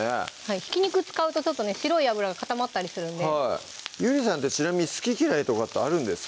ひき肉使うとちょっとね白い脂が固まったりするんでゆりさんってちなみに好き嫌いとかってあるんですか？